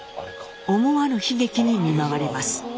思わぬ悲劇に見舞われます。